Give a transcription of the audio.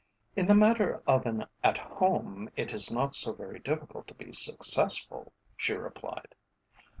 "In the matter of an 'At Home' it is not so very difficult to be successful," she replied.